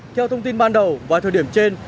theo thông tin ban đầu và thời điểm trên